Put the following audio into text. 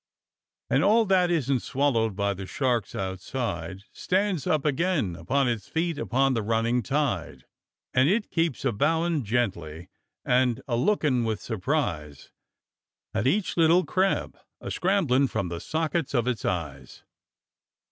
"And all that isn't swallowed by the sharks outside, Stands up again upon its feet upon the running tide; And it keeps a bowin' gently, and a lookin' with surprise At each little crab a scramblin' from the sockets of its eyes."